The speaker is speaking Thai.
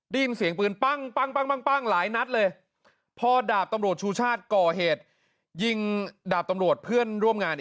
ได้ยินเสียงปืนปั้ง